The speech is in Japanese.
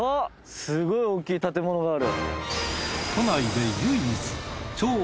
すごい大きい建物がある。